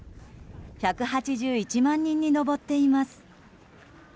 １８１万人に上っています。